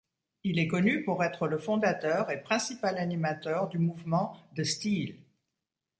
Il est connu pour être le fondateur et principal animateur du mouvement De Stijl.